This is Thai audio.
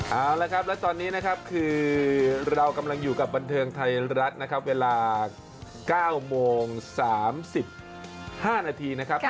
เอาละครับและตอนนี้นะครับคือเรากำลังอยู่กับบันเทิงไทยรัฐนะครับเวลา๙โมง๓๕นาทีนะครับ